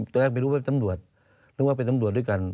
ตอนแรกไม่รู้ว่าเป็นตำรวจหรือว่าเป็นตำรวจด้วยกัน